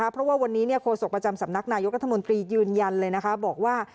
ประจำสำนักนายกัฐมนตรียืนยันเลยนะคะบอกว่า